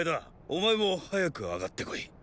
お前も早く上がって来い。